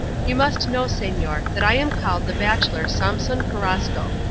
You must know, señor, that I am called the bachelor Samson Carrasco.